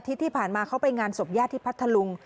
วันอาทิตย์ที่ผ่านมาเขาไปงานสมญาติที่พัทรรงค์